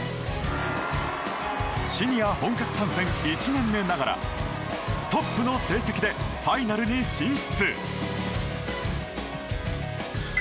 シニア本格参戦１年目ながらトップの成績でファイナルに進出。